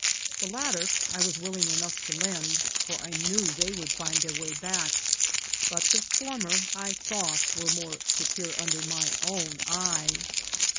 The latter I was willing enough to lend, for I knew they would find their way back ; but the for mer, I thou^t, were more secure under my own eye.